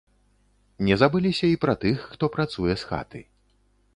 Не забыліся і пра тых, хто працуе з хаты.